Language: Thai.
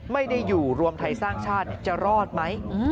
ไม่ได้อยู่รวมไทยสร้างชาติจะรอดไหม